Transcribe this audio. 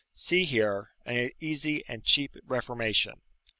See, here, an easy and cheap reformation.